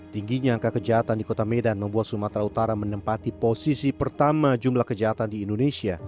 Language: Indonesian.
tingginya angka kejahatan di kota medan membuat sumatera utara menempati posisi pertama jumlah kejahatan di indonesia